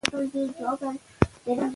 تاسو باید د جګړې په میدان کې مېړانه وښيئ.